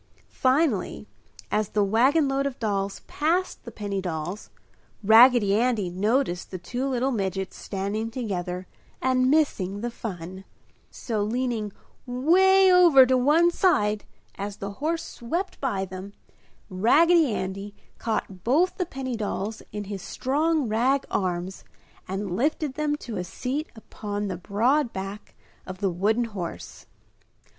Finally, as the wagon load of dolls passed the penny dolls, Raggedy Andy noticed the two little midgets standing together and missing the fun; so, leaning 'way over to one side as the horse swept by them, Raggedy Andy caught both the penny dolls in his strong rag arms and lifted them to a seat upon the broad back of the wooden horse.